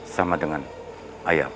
sama dengan ayahmu